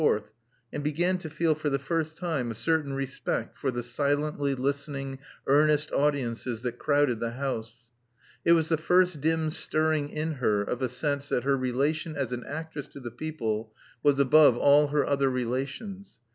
and began to feel for the first time a certain respect for the silently listening, earnest audiences that crowded the house. It was the first dim stirring in her of a sense that her relation as an actress to the people was above all her other relations.